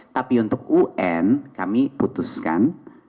tapi untuk un kami putuskan